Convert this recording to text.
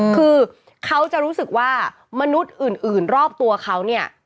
คือเขาจะรู้สึกว่ามนุษย์อื่นรอบตัวเขาเนี่ย